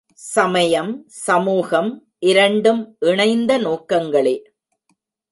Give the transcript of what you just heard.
சமயம், சமூகம், இரண்டும் இணைந்த நோக்கங்களே!